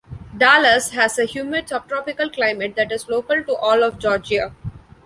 Dallas has a humid subtropical climate that is local to all of Georgia.